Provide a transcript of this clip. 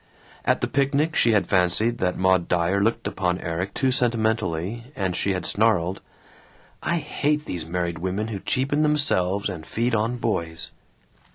At the picnic she had fancied that Maud Dyer looked upon Erik too sentimentally, and she had snarled, "I hate these married women who cheapen themselves and feed on boys."